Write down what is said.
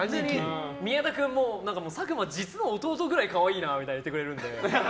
宮田君も佐久間、実の弟くらい可愛いなって言ってくれるんで。